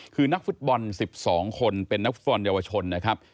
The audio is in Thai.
คือนักฟุตบอล๑๒คนเป็นนักฟุตบอลเยาวชนนะครับ